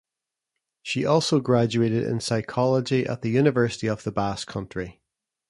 She also graduated in psychology at the University of the Basque Country.